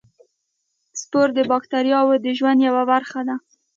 سپور د باکتریاوو د ژوند یوه برخه ده.